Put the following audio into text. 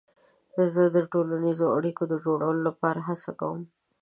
زه د ټولنیزو اړیکو د جوړولو لپاره هڅه کوم.